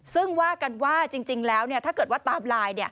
ซึ่งว่ากันว่าจริงแล้วถ้าเกิดว่าตามไลน์